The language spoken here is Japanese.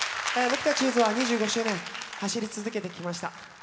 僕たちゆずは２５周年走り続けてきました。